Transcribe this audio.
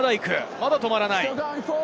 まだ止まらない。